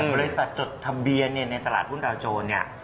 บริษัทจดทะเบียนในตลาดภูมิดาโจร